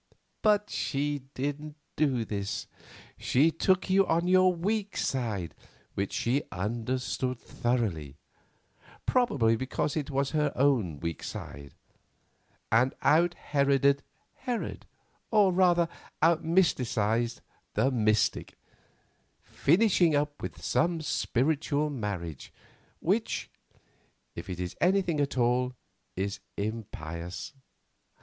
But she didn't do this; she took you on your weak side, which she understood thoroughly—probably because it was her own weak side—and out Heroded Herod, or, rather, out mysticised the mystic, finishing up with some spiritual marriage, which, if it is anything at all, is impious.